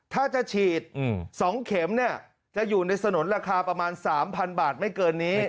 ถ้าจะฉีด๒เข็มเนี่ยจะอยู่ในสนุนราคาประมาณ๓๐๐บาทไม่เกินนี้